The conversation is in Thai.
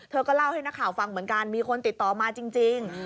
ก็เล่าให้นักข่าวฟังเหมือนกันมีคนติดต่อมาจริง